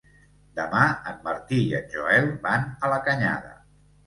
Demà en Martí i en Joel van a la Canyada.